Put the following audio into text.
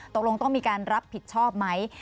ตกลงต้องมีการรับผิดชอบไหม